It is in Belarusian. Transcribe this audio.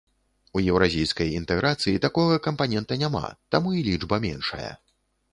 У еўразійскай інтэграцыі такога кампанента няма, таму і лічба меншая.